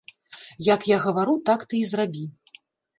Як я гавару, так ты і зрабі.